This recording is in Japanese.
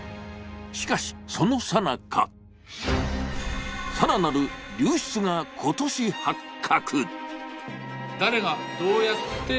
しかし、そのさなか更なる流出が今年発覚。